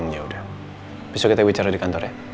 yaudah besok kita bicara di kantor ya